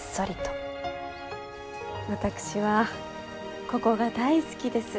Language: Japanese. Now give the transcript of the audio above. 私はここが大好きです。